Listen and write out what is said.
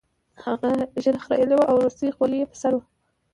هغه ږیره خریلې وه او روسۍ خولۍ یې په سر وه